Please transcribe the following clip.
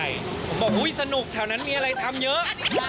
อีสนุกแถวนั้นมีอะไรทำเยอะ